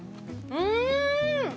うん！